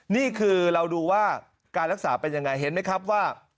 นี่คือเราดูว่าการรักษาเป็นยังไงเห็นไหมครับว่า